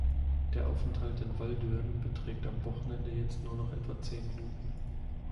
Der Aufenthalt in Walldürn beträgt am Wochenende jetzt nur noch etwa zehn Minuten.